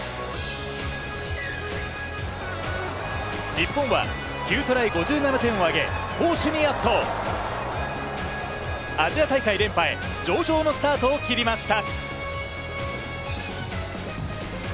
日本は９トライ５７点を挙げ、攻守に圧倒、アジア大会連覇へ上々のスタートを切りました。